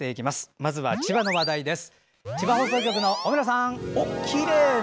まずは、千葉の話題です。